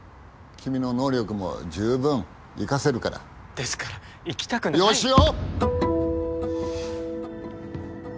君の能力も十分生かせるからですから行きたくない佳男！